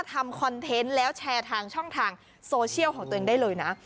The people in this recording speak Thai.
คอนเทนต์แล้วแชร์ทางช่องทางโซเชียลของตัวเองได้เลยนะ